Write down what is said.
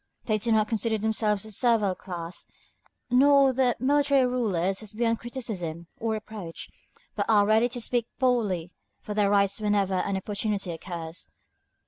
They do not consider themselves as a servile class, nor their military rulers as beyond criticism or reproach, but are ready to speak boldly for their rights whenever an opportunity occurs.